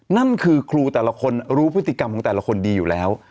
นั่นคือครูแต่ละคนรู้พฤติกรรมของแต่ละคนดีอยู่แล้ว